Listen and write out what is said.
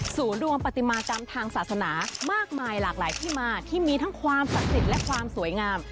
ศูนย์รวมปฏิมากรรมทางศาสนามากมายหลากหลายที่มาที่มีทั้งความศักดิ์สิทธิ์และความสวยงาม